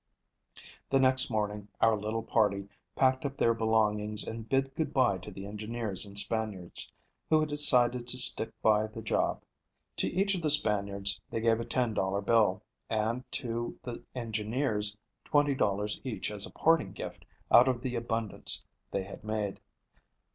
The next morning our little party packed up their belongings and bid good by to the engineers and Spaniards, who had decided to stick by the job. To each of the Spaniards they gave a $10 bill, and to the engineers $20 each as a parting gift out of the abundance they had made.